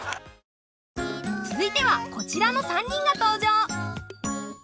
続いてはこちらの３人が登場！